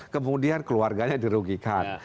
kemudian keluarganya dirugikan